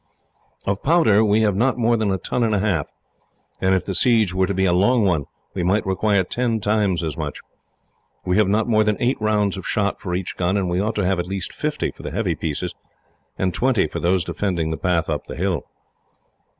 "Of powder, we have not more than a ton and a half, and if the siege were to be a long one we might require ten times as much. We have not more than eight rounds of shot for each gun, and we ought to have at least fifty for the heavy pieces, and twenty for those defending the path up the hill."